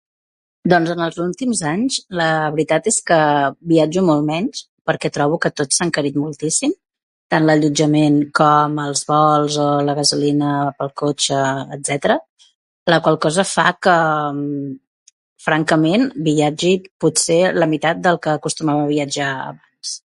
Doncs en els últims anys, la veritat és que viatjo molt menys, perquè trobo que tot s'ha encarit moltíssim, tant l'allotjament com els vols o la gasolina pel cotxe, etcètera. La qual cosa fa que, francament, viatgi potser la meitat del que acostumava a viatjar abans.